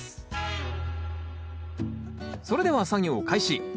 それでは作業開始。